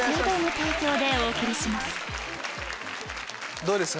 どうですか？